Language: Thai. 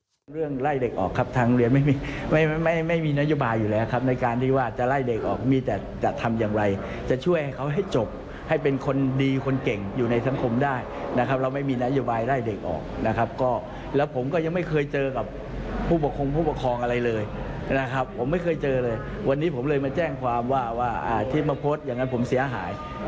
แสร่งความว่าที่มาโพสต์อย่างนั้นผมเสียหาย